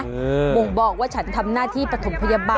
บ่งบอกว่าฉันทำหน้าที่ปฐมพยาบาล